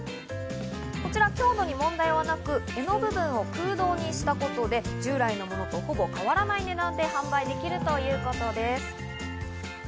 こちら、強度に問題はなく、柄の部分を空洞にしたことで従来のものとほぼ変わらない値段で販売できるということです。